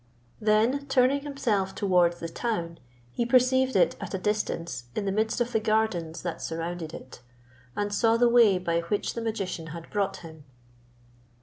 Then turning himself towards the town, he perceived it at a distance in the midst of the gardens that surrounded it, and saw the way by which the magician had brought him.